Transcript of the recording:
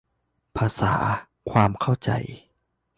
ภาษา ความ เข้าใจ